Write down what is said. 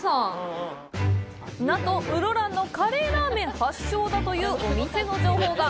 なんと室蘭のカレーラーメン発祥だというお店の情報が。